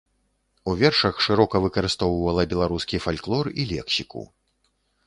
У вершах шырока выкарыстоўвала беларускі фальклор і лексіку.